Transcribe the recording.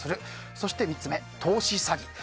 そして３つ目、投資詐欺。